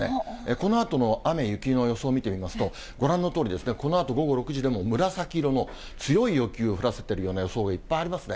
このあとの雨、雪の予想を見てみますと、ご覧のとおり、このあと午後６時でも、紫色の強い雪を降らせているような予想いっぱいありますね。